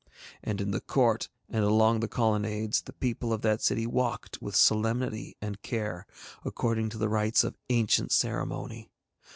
And in the court and along the colonnades the people of that city walked with solemnity and care according to the rites of ancient ceremony.